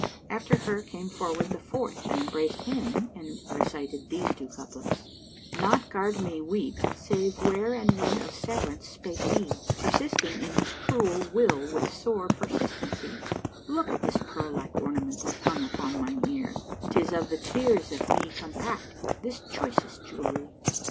'"[FN#98] After her came forward the fourth and embraced him and recited these two couplets, "Nought garred me weep save where and when of severance spake he, * Persisting in his cruel will with sore persistency: Look at this pearl like ornament I've hung upon mine ear: * 'Tis of the tears of me compact, this choicest jewelry!"